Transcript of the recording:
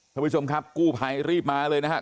ท่านผู้ชมครับกู้ภัยรีบมาเลยนะครับ